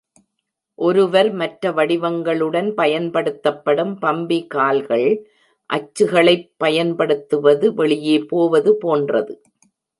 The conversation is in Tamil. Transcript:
ஒருவர் மற்ற வடிவங்களுடன் பயன்படுத்தப்படும் "பம்பி கால்கள்" அச்சுகளைப் பயன்படுத்துவது வெளியே போவது போன்றது.